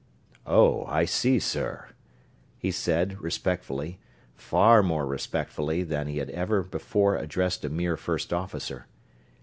"Oh, I see, sir," he said, respectfully far more respectfully than he had ever before addressed a mere first officer.